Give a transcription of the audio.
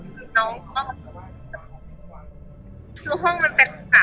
ทุกห้องมันเป็นหน้า